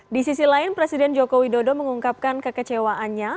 di sisi lain presiden jokowi dodo mengungkapkan kekecewaannya